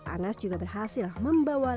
untuk semua yang sudah menonton